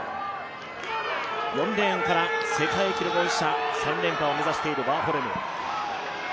４レーンから世界記録保持者３連覇を目指しているワーホルム。